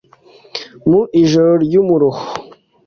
mu ijoro ry’umuruho